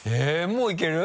もういける？